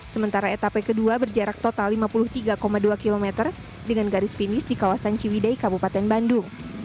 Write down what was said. sementara etape kedua berjarak total lima puluh tiga dua km dengan garis finish di kawasan ciwidei kabupaten bandung